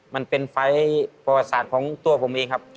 มันเป็นไฟล์ประวัติศาสตร์ของตัวผมเองครับ